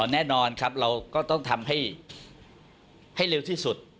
แน่นอนครับเราก็ต้องทำให้เร็วที่สุด